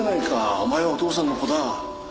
お前はお父さんの子だ。